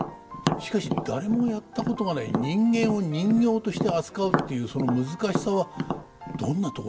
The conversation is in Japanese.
しかし誰もやったことがない人間を人形として扱うっていうその難しさはどんなところでしょうか？